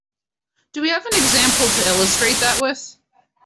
Do we have an example to illustrate that with?